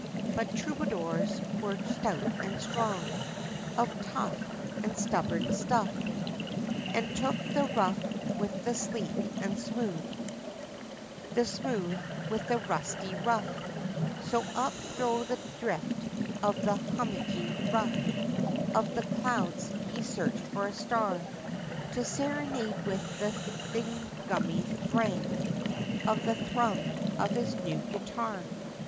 But troubadours, were stout and strong, Of tough, and stubborn, stuff, And took the rough, with the sleek, and smooth, The smooth, with the rusty rough, So up thro' the drift, of the hummocky ruck, Of the clouds, he searched for a star, To serenade, with the thringumy thrang, Of the thrum, of his new guitar.